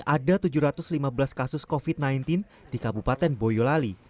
ada tujuh ratus lima belas kasus covid sembilan belas di kabupaten boyolali